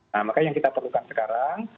nah maka yang kita perlukan sekarang